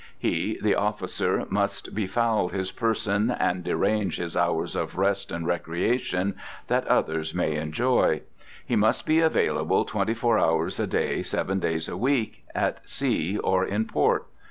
He, the officer, must befoul his person and derange his hours of rest and recreation, that others may enjoy. He must be available twenty four hours a day, seven days a week, at sea or in port.